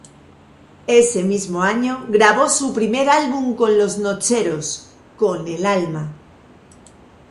Ese mismo año grabó su primer álbum con Los Nocheros, "Con el alma".